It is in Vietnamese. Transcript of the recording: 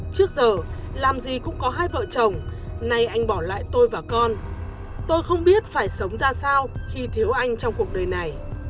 trước giờ làm gì cũng có hai vợ chồng nay anh bỏ lại tôi và con tôi không biết phải sống ra sao khi thiếu anh trong cuộc đời này